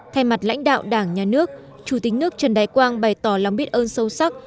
thay mặt lãnh đạo đảng nhà nước chủ tịch nước trần đại quang bày tỏ lòng biết ơn sâu sắc